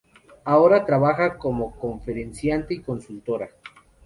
Ahora trabaja como conferenciante y consultora.